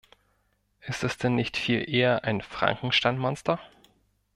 Ist es denn nicht viel eher ein Frankenstein-Monster?